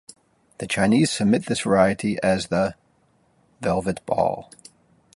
The Chinese submit this variety as the "Velvet ball".